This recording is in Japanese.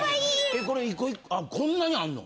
えこれ１個こんなにあんの？